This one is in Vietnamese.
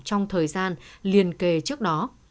trong thời gian liền kề trước đó